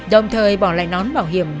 đồng thời bỏ lại nón bảo hiểm